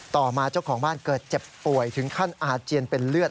ต่อมาเจ้าของบ้านเกิดเจ็บป่วยถึงขั้นอาเจียนเป็นเลือด